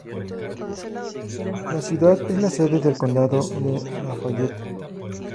La ciudad es la sede del condado de Lafayette.